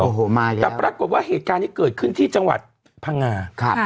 โอ้โหมาอีกแต่ปรากฏว่าเหตุการณ์นี้เกิดขึ้นที่จังหวัดพังงาครับ